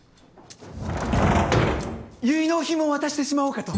結納品も渡してしまおうかと。